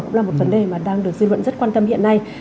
cũng là một vấn đề mà đang được dư luận rất quan tâm hiện nay